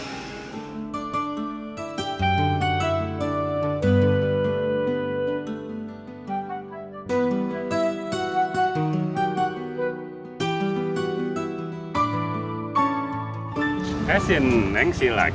bertahan ke atas